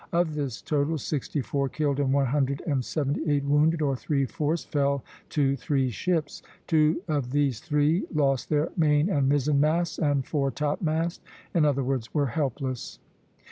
Of this total, sixty four killed and one hundred and seventy eight wounded, or three fourths, fell to three ships. Two of these three lost their main and mizzen masts and foretopmast; in other words, were helpless.